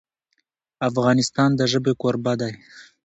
افغانستان د ژبې کوربه دی.